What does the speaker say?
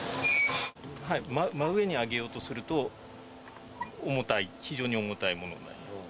真上に上げようとすると、重たい、非常に重たいものになります。